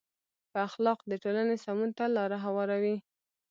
ښه اخلاق د ټولنې سمون ته لاره هواروي.